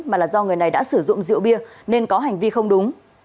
mà là do người này đã sử dụng rượu bia nên có hành vi không đúng